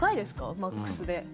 マックスで。